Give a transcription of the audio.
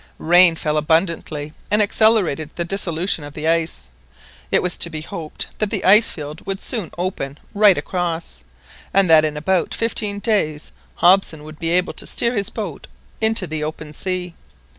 Rain fell abundantly and accelerated the dissolution of the ice. It was to be hoped that the ice field would soon open right across, and that in about fifteen days Hobson would be able to steer his boat into the open sea.